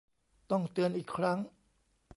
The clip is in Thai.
ต้องเตือนอีกครั้ง